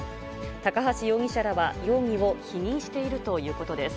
高橋容疑者らは容疑を否認しているということです。